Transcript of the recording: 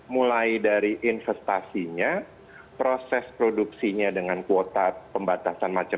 mulai dari investasinya proses produksinya dengan kuota pembatasan macam macam